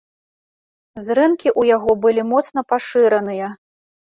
Зрэнкі ў яго былі моцна пашыраныя.